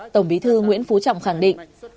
tổng bí thư nguyễn phú trọng khẳng định